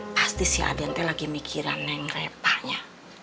pasti si adente lagi mikirin yang repahnya